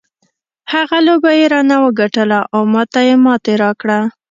هغه لوبه یې رانه وګټله او ما ته یې ماتې راکړه.